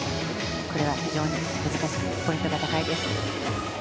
これは非常に難しくポイントが高いです。